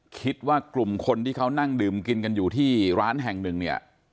คิดว่ากลุ่มคนที่เขานั่งดื่มกินกันอยู่ที่ร้านแห่งหนึ่งเนี่ย